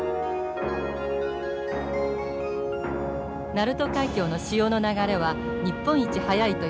鳴門海峡の潮の流れは日本一速いといわれています。